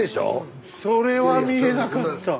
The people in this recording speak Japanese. それは見えなかった。